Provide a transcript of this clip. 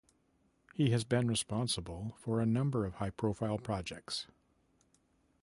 He has been responsible for a number of high-profile projects.